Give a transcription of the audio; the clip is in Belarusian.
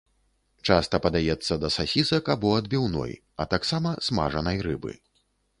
Часта падаецца да сасісак або адбіўной, а таксама смажанай рыбы.